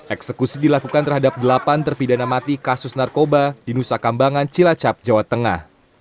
eksekusi dilakukan terhadap delapan terpidana mati kasus narkoba di nusa kambangan cilacap jawa tengah